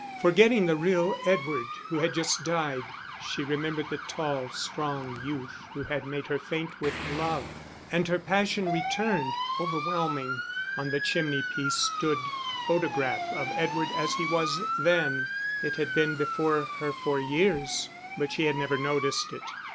Forgetting the real Edward who had just died, she remembered the tall strong youth who had made her faint with love; and her passion returned, overwhelming. On the chimney piece stood a photograph of Edward as he was then; it had been before her for years, but she had never noticed it.